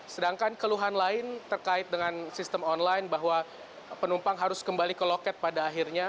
sedangkan keluhan lain terkait dengan sistem online bahwa penumpang harus kembali ke loket pada akhirnya